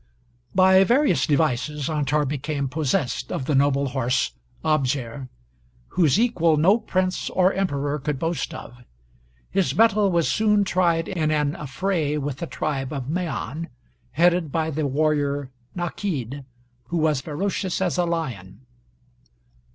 [By various devices Antar became possessed of the noble horse Abjer, whose equal no prince or emperor could boast of. His mettle was soon tried in an affray with the tribe of Maan, headed by the warrior Nakid, who was ferocious as a lion.